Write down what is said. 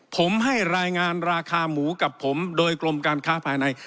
ผมให้รายงานราคาหมูกับผมโดยกรมการค้าภายใน